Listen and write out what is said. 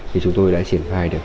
thì chúng tôi đã triển khai được